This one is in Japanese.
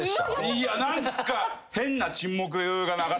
いや何か。